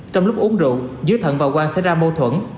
trong lúc uống rượu giữa thần và quang xảy ra mô thuẫn